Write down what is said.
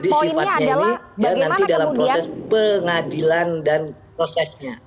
jadi sifatnya ini nanti dalam proses pengadilan dan prosesnya